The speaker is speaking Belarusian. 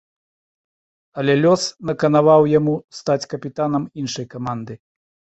Але лёс наканаваў яму стаць капітанам іншай каманды.